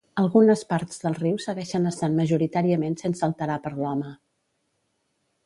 Algunes parts del riu seguixen estant majoritàriament sense alterar per l'home.